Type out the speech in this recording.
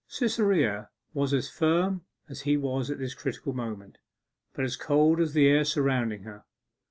Cytherea was as firm as he at this critical moment, but as cold as the air surrounding her.